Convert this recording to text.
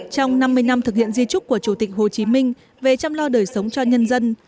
trong năm mươi năm thực hiện di trúc của chủ tịch hồ chí minh về chăm lo đời sống cho nhân dân